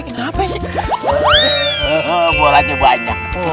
kita seperti ini yuk